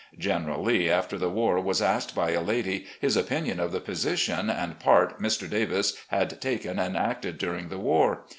General Lee after the war was asked by a lady his opinion of the position and part Mr. Davis had taken and acted during the war.